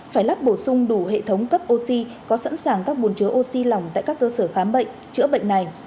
phải lắp bổ sung đủ hệ thống cấp oxy có sẵn sàng các bồn chứa oxy lỏng tại các cơ sở khám bệnh chữa bệnh này